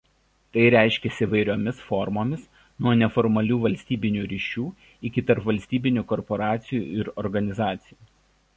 Tai reiškiasi įvairiomis formomis nuo neformalių valstybinių ryšių iki tarpvalstybinių korporacijų ir organizacijų.